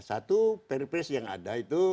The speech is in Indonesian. satu perpres yang ada itu